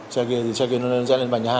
xe kia thì xe kia nó rẽ lên bàn nhà hai